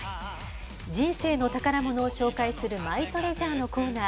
人生の宝ものを紹介するマイトレジャーのコーナー。